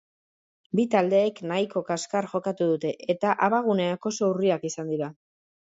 Bi taldeek nahiko kaskar jokatu dute, eta abaguneak oso urriak izan dira.